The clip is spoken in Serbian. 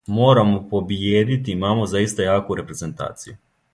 Морамо побиједити, имамо заиста јаку репрезентацију.